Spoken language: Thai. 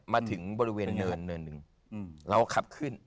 มาถึงบริเวณเนินนึงเราก็ขับขึ้น